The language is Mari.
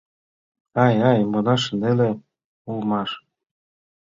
Ай-ай, модаш неле улмаш!